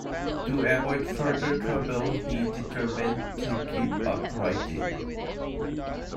To avoid further trouble, he determined to give up writing.